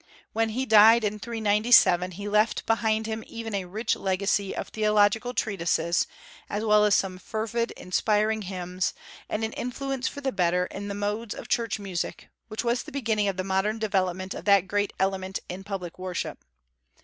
When he died in 397 he left behind him even a rich legacy of theological treatises, as well as some fervid, inspiring hymns, and an influence for the better in the modes of church music, which was the beginning of the modern development of that great element in public worship.